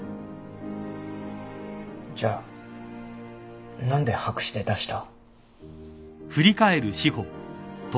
じゃあ何で白紙で出した？